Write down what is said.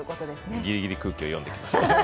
ギリギリ空気を読んできました。